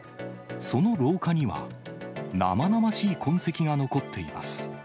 その廊下には、生々しい痕跡が残っています。